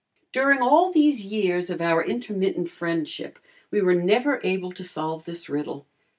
During all these years of our intermittent friendship, we were never able to solve this riddle.